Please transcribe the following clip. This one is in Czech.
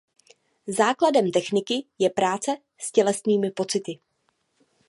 Základem techniky je práce s tělesnými pocity.